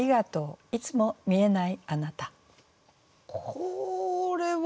これは？